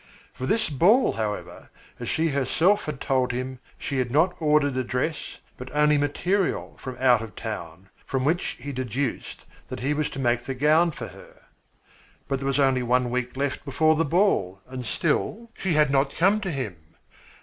For this ball, however, as she herself had told him, she had not ordered a dress but only material from out of town, from which he deduced that he was to make the gown for her. But there was only one week left before the ball, and still she had not come to him.